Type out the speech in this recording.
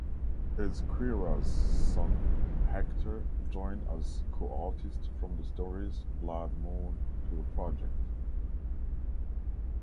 Ezquerra's son Hector joined as co-artist from the stories "Blood Moon" to "The Project".